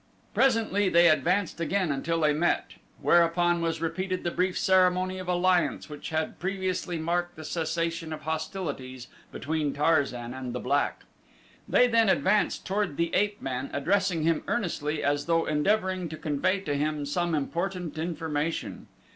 Presently they advanced again until they met, whereupon was repeated the brief ceremony of alliance which had previously marked the cessation of hostilities between Tarzan and the black. They then advanced toward the ape man addressing him earnestly as though endeavoring to convey to him some important information.